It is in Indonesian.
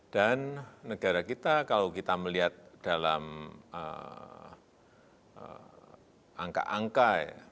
dan negara kita kalau kita melihat dalam angka angka